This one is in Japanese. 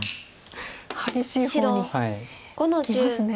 激しい方にいきますね。